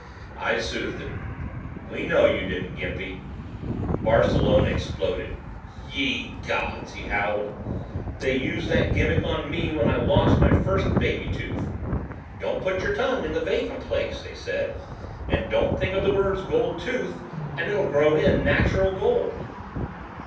I soothed him. "We know you didn't, Gimpy." Barcelona exploded. "Ye Gods!" he howled. "They used that gimmick on me when I lost my first baby tooth. 'Don't put your tongue in the vacant place,' they said, 'and don't think of the words Gold Tooth and it'll grow in natural gold!'"